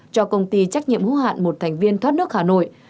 cho công ty trách nhiệm hữu hạn một thành viên thoát nước hà nội